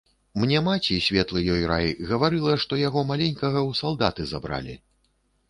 Мне маці, светлы ёй рай, гаварыла, што яго маленькага ў салдаты забралі.